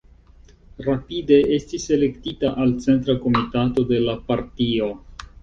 Rapide estis elektita al centra komitato de la partio.